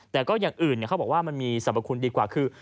แต่ก็อย่างอื่นเขาบอกว่ามันมีสรรพคุณดีกว่าคือ